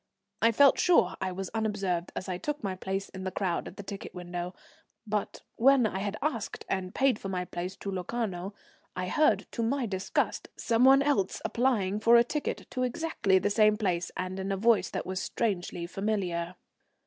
I felt sure I was unobserved as I took my place in the crowd at the ticket window, but when I had asked and paid for my place to Locarno I heard, to my disgust, some one else applying for a ticket to exactly the same place, and in a voice that was strangely familiar.